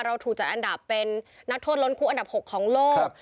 ถูกจัดอันดับเป็นนักโทษล้นคู่อันดับ๖ของโลก